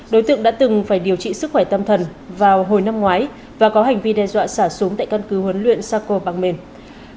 đối tượng đã từng phải điều trị sức khỏe tâm thần vào hồi năm ngoái và có hành vi đe dọa xả súng tại căn cứ huấn luyện saco bang maine